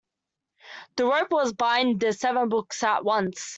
The rope will bind the seven books at once.